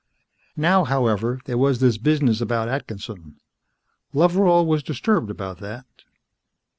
Now, however, there was this business about Atkinson. Loveral was disturbed about that.